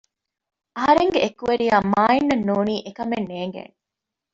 އަހަރެންގެ އެކުވެރިޔާ މާއިން އަށް ނޫނީ އެކަމެއް ނޭނގޭނެ